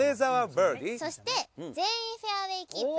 そして全員フェアウェイキープ。